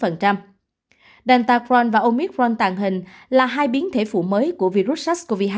lydentacron và omicron tàn hình là hai biến thể phụ mới của virus sars cov hai